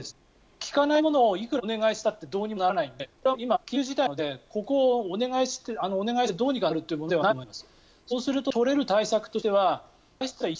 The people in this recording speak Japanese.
効かないものをいくらお願いしたってどうにもならないのでこれは今、緊急事態なのでここをお願いしてどうにかなるというものではないと思います。